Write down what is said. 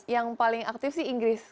yang paling aktif sih inggris